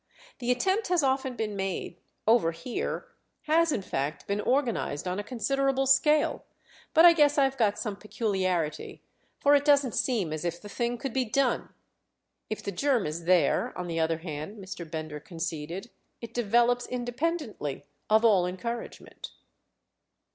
The attempt has often been made, over here—has in fact been organised on a considerable scale; but I guess I've got some peculiarity, for it doesn't seem as if the thing could be done. If the germ is there, on the other hand," Mr. Bender conceded, "it develops independently of all encouragement."